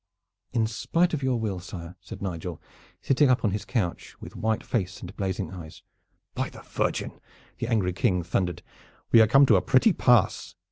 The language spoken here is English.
"In spite of your will, sire," said Nigel, sitting up on his couch, with white face and blazing eyes. "By the Virgin!" the angry King thundered, "we are come to a pretty pass!